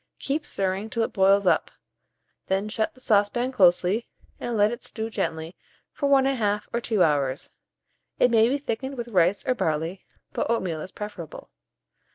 Keep stirring till it boils up; then shut the saucepan closely, and let it stew gently for 1 1/2 or 2 hours. It may be thickened with rice or barley, but oatmeal is preferable.